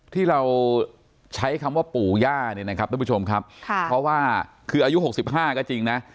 ที่เราใช้คำว่าปู่ย่าเนี่ยนะครับทุกผู้ชมครับเพราะว่าคืออายุ๖๕ก็จริงนะ